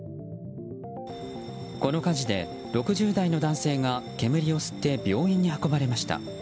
この火事で６０代の男性が煙を吸って病院に運ばれました。